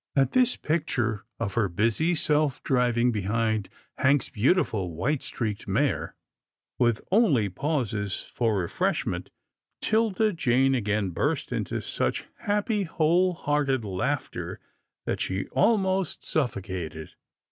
At this picture of her busy self driving behind Hank's beautiful white streaked mare, with only pauses for refreshment, 'Tilda Jane again burst into such happy, whole hearted laughter that she almost suffocated.